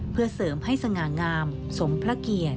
เพื่อเสริมให้สง่างามสมพระเกียรติ